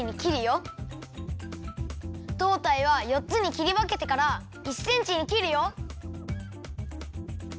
どうたいはよっつにきりわけてから１センチにきるよ。